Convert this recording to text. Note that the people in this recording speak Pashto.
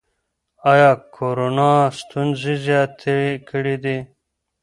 ایا کورونا ستونزې زیاتې کړي دي؟